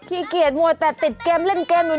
ขี้เกียจมัวแต่ติดเกมเล่นเกมอยู่